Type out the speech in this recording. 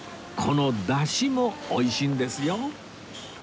このダシも美味しいんですよ